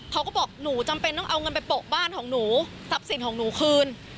เขาก็บอกหนูจำเป็นต้องเอาเงินไปโปะบ้านของหนูทรัพย์สินของหนูคืน